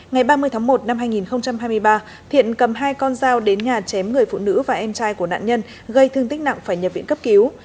ngày ba mươi tháng một năm hai nghìn hai mươi ba thiện cầm hai con dao đến nhà chém người phụ nữ và em trai của nạn nhân gây thương tích nặng phải nhập viện cấp cứu